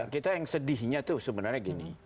kita yang sedihnya itu sebenarnya begini